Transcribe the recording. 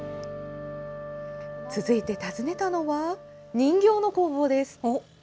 続いて訪ねたのは、人形の工房です。